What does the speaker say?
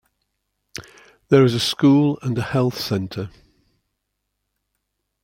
There is a school and a health centre.